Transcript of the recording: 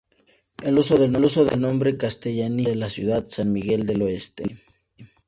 El uso del nombre castellanizado de la ciudad: "San Miguel del Oeste".